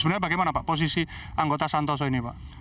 sebenarnya bagaimana pak posisi anggota santoso ini pak